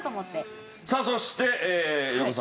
さあそして横澤。